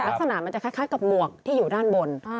ลักษณะมันจะคล้ายกับหมวกที่อยู่ด้านบน